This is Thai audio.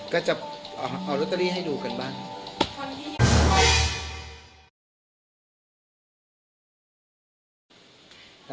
ก็จะเอาลอตเตอรี่ให้ดูกันบ้าง